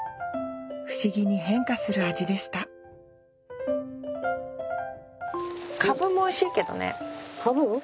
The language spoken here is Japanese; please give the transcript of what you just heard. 不思議に変化する味でしたカブもおいしいけどね。